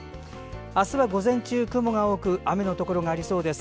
明日は午前中、雲が多く雨のところがありそうです。